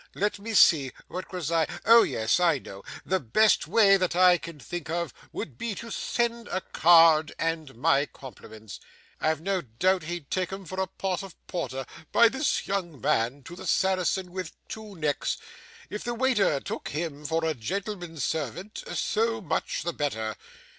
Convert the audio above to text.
Let me see, what was I oh yes, I know. The best way that I can think of would be to send a card, and my compliments, (I've no doubt he'd take 'em for a pot of porter,) by this young man, to the Saracen with Two Necks. If the waiter took him for a gentleman's servant, so much the better.